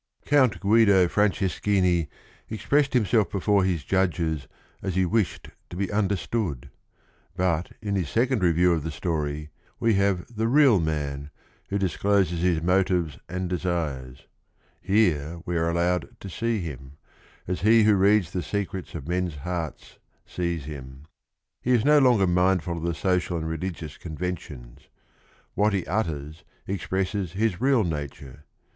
Count Guido Franceschini expressed himself before his judges as he wished to be understood; but in hi a ae i und leview of the story we ha ve the real man, who discloses his motives and desires. Here'We are allowed to see him, as Me who reads the secrets of men's hearts sees him. He is no longer mindful of the social and religious con ventions. What he utters expresses his real nature.